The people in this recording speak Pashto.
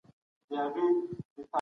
دوست کم خو رښتينی ښه دی